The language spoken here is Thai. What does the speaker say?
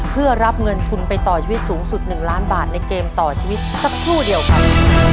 เพื่อรับเงินทุนไปต่อชีวิตสูงสุด๑ล้านบาทในเกมต่อชีวิตสักครู่เดียวครับ